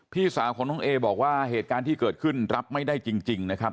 พี่สาวของน้องเอบอกว่าเหตุการณ์ที่เกิดขึ้นรับไม่ได้จริงนะครับ